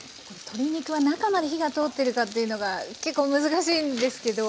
鶏肉は中まで火が通ってるかっていうのが結構難しいんですけど。